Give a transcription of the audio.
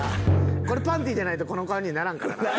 これパンティじゃないとこの顔にはならんからな。